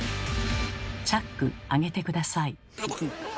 チャック上げて下さい。